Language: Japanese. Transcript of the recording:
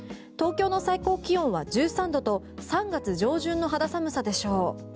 東京の最高気温は１３度と３月上旬の肌寒さでしょう。